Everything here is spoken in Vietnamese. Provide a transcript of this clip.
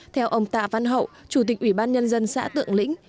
theo ông tạ văn hậu chủ tịch ủy ban nhân dân xã tượng lĩnh